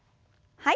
はい。